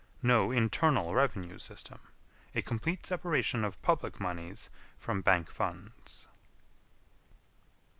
No internal revenue system. A complete separation of public moneys from bank funds.